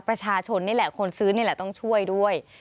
ประชาชนนี่แหละคนซื้อนี่แหละต้องช่วยด้วย